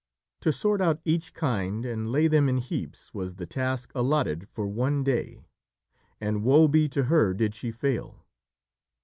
To sort out each kind and lay them in heaps was the task allotted for one day, and woe be to her did she fail.